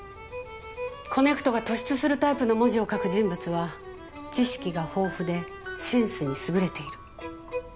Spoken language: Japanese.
コネクトが突出するタイプの文字を書く人物は知識が豊富でセンスに優れている。